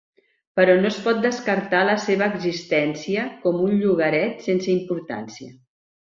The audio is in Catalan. Però no es pot descartar la seva existència com un llogaret sense importància.